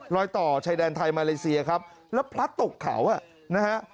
รอยต่อชายแดนไทยมาเลเซียครับแล้วพลัดตกเขาอ่ะนะฮะ